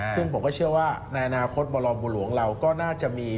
ซึ่งผมก็เชื่อว่าในอนาคตบรมบุหลวงเราก็น่าจะมี